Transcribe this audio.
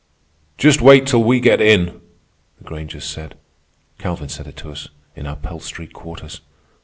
"Just wait till we get in," the Grangers said—Calvin said it to us in our Pell Street quarters.